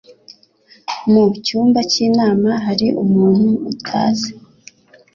Mu cyumba cy'inama hari umuntu utazi.